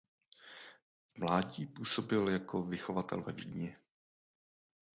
V mládí působil jako vychovatel ve Vídni.